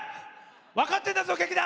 分かってんだぞ、劇団！